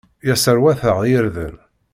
La sserwateɣ irden.